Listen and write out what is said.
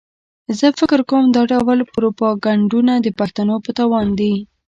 زه فکر کوم دا ډول پروپاګنډونه د پښتنو په تاوان دي.